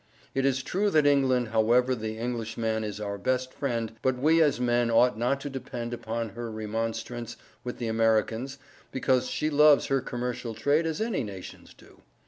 It is true that England however the Englishman is our best friend but we as men ought not to depened upon her Remonstrace with the Americans because she loves her commercial trade as any Nations do.